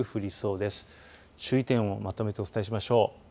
注意点をまとめてお伝えしましょう。